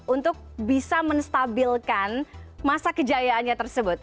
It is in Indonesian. untuk bisa menstabilkan masa kejayaannya tersebut